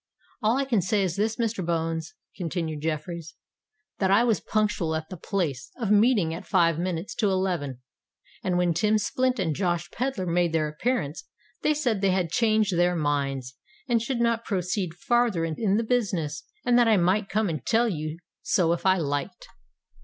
"All I can say is this, Mr. Bones," continued Jeffreys, "that I was punctual at the place of meeting at five minutes to eleven; and when Tim Splint and Josh Pedler made their appearance, they said they had changed their minds and should not proceed farther in the business, and that I might come and tell you so if I liked."